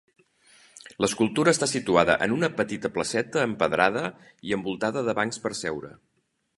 L'escultura està situada en una petita placeta empedrada i envoltada de bancs per seure.